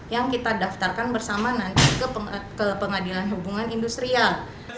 yang kita daftarkan bersama nanti ke pengadilan hubungan industrial